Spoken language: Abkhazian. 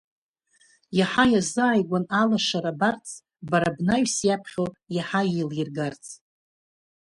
Иаҳа иазааигәан алашара абарц, бара бнаҩс иаԥхьо иаҳа еилиргарц.